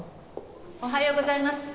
おはようございます。